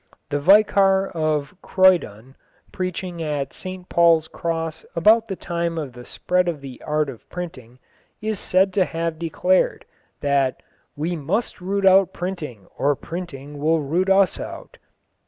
The Vicar of Croydon, preaching at St Paul's Cross about the time of the spread of the art of printing, is said to have declared that "we must root out printing or printing will root out us."